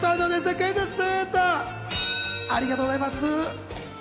クイズッス！